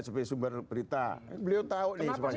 boleh nggak supaya sumber berita beliau tahu nih sebenarnya